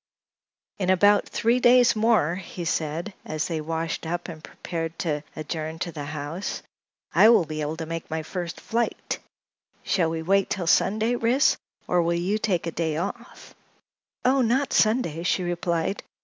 "In about three days more," he said, as they washed up and prepared to adjourn to the house, "I will be able to make my first flight. Shall we wait till Sunday, Ris, or will you take a day off?" "Oh, not Sunday," she replied.